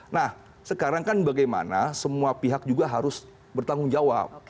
nah sekarang kan bagaimana semua pihak juga harus bertanggung jawab